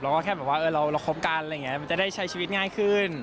แล้วก็แค่บอกว่าเราคบกันอะไรอย่างนี้มันจะได้ใช้ชีวิตง่ายขึ้น